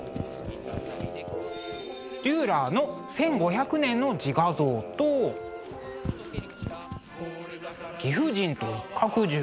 デューラーの「１５００年の自画像」と「貴婦人と一角獣」。